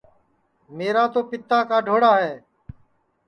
میرا تو پِتا کاڈؔوڑا ہے